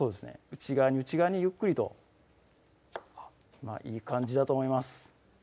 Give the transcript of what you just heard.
内側に内側にゆっくりといい感じだと思います